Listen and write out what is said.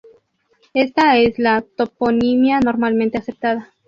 Esta es la toponimia normalmente aceptada.